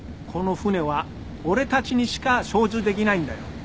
この艦は俺たちにしか操縦できないんだよ。